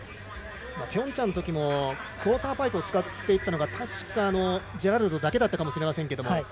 ピョンチャンのときもクオーターパイプを使っていったのが確か、ジェラルドだけだったかもしれませんが。